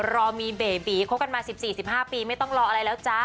รอมีเบบีคบกันมา๑๔๑๕ปีไม่ต้องรออะไรแล้วจ้า